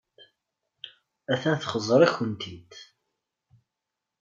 Attan txeẓẓer-ikent-id.